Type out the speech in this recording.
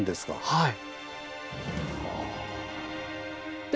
はい。